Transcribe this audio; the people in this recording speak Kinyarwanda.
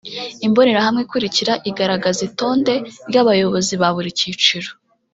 Imbonerahamwe ikurikira igaragaza itonde ry’abayobozi ba buri cyiciro